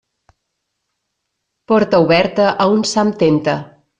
Porta oberta a un sant tempta.